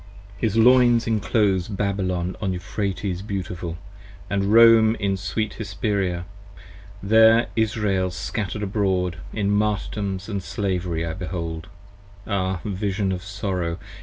His Loins inclose Babylon on Euphrates beautiful, And Rome in sweet Hesperia, there Israel scatter'd abroad 40 In martyrdoms & slavery I behold: ah vision of sorrow!